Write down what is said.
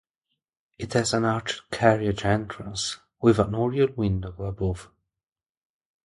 It has an arched carriage entrance with an oriel window above.